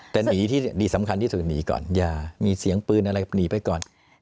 แต่หนีที่นี่สำคัญที่สุดหนีก่อนอย่ามีเสียงปืนอะไรหนีไปก่อน